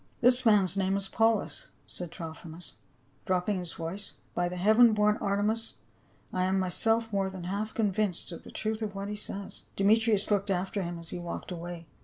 " This man's name is Paulus," said Trophimus, ilropping his voice ;" by the heaven born Artemis, I am myself more than half convinced of the truth of what he says." Demetrius looked after him as he walked away.